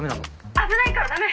危ないからダメ！